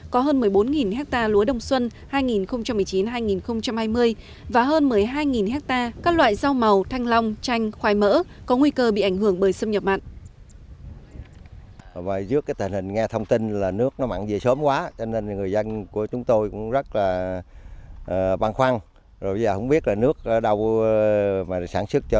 có hơn một mươi bốn hectare lúa đông xuân hai nghìn một mươi chín hai nghìn hai mươi và hơn một mươi hai hectare các loại rau màu thanh long chanh khoai mỡ có nguy cơ bị ảnh hưởng bởi sâm nhập mặn